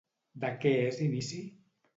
De què és inici?